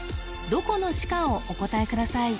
どこの市かをお答えください